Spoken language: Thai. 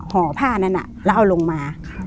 ห่อผ้านั้นแล้วเอาลงมา